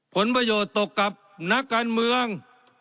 ผลประโยชน์ตกกับนักการเมือง